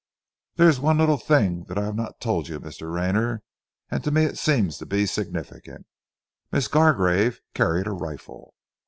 "There is one little thing that I have not told you, Mr. Rayner, and to me it seems to be significant. Miss Gargrave carried a rifle."